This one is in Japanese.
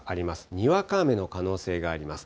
にわか雨の可能性があります。